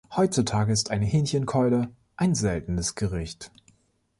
Heutzutage ist eine Hähnchenkeule ein seltenes Gericht.